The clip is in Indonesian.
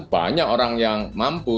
banyak orang yang mampu